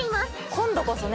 今度こそね